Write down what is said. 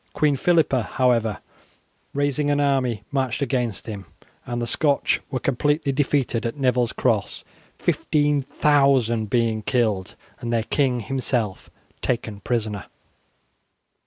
Queen Philippa, however, raising an army, marched against him, and the Scotch were completely defeated at Neville's Cross, 15,000 being killed and their king himself taken prisoner.